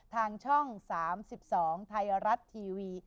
ทางช่อง๓๒ไทยรัฐทีวี